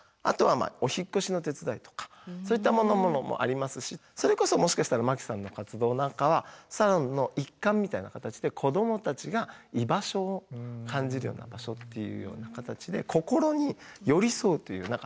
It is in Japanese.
あとはお引っ越しの手伝いとかそういったものもありますしそれこそもしかしたら巻さんの活動なんかはサロンの一環みたいな形で子どもたちが居場所を感じるような場所っていうような形で心に寄り添うという。